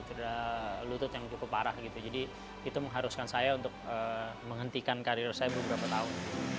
cedera lutut yang cukup parah gitu jadi itu mengharuskan saya untuk menghentikan karir saya beberapa tahun